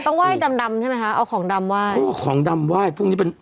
ไหว้ดำดำใช่ไหมคะเอาของดำไหว้เพราะว่าของดำไหว้พวกนี้เป็น